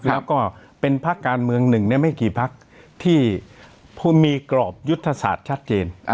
แล้วก็เป็นพักการเมืองหนึ่งในไม่กี่พักที่มีกรอบยุทธศาสตร์ชัดเจน